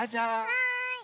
はい！